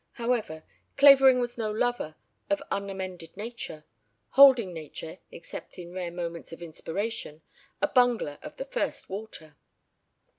However, Clavering was no lover of unamended nature, holding nature, except in rare moments of inspiration, a bungler of the first water.